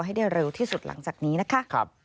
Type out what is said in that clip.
ให้ได้เร็วที่สุดหลังจากนี้นะคะ